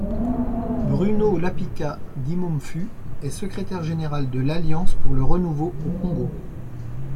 Bruno Lapika Dimomfu est secrétaire général de l'Alliance pour le renouveau au Congo.